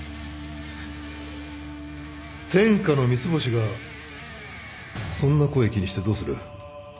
天下の三ツ星がそんな声気にしてどうする。